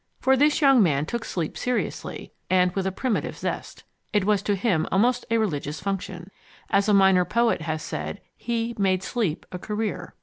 For this young man took sleep seriously and with a primitive zest. It was to him almost a religious function. As a minor poet has said, he "made sleep a career."